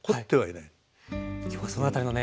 今日はその辺りのね